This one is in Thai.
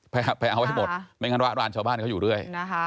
ไปเอาให้หมดไม่งั้นว่าร้านชาวบ้านเขาอยู่เรื่อย